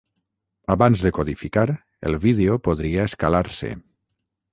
Abans de codificar, el vídeo podria escalar-se.